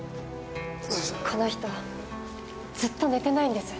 この人ずっと寝てないんです。